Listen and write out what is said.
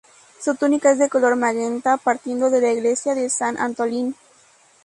Su túnica es de color magenta, partiendo de la Iglesia de San Antolín.